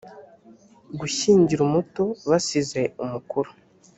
gushyingira umuto basize umukuru